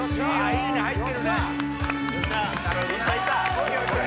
いいね入ってるね。